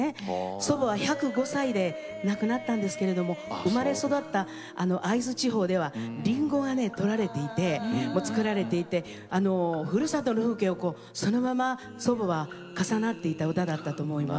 祖母は１０５歳で亡くなったんですけれども生まれ育った会津地方ではりんごが作られていてふるさとの風景をそのまま祖母は重なっていた歌だったと思います。